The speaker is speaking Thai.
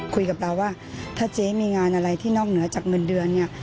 คุยกับเราว่าถ้าเจ๊มีงานอะไรที่นอกเหนือจากเงินเดือนเนี่ย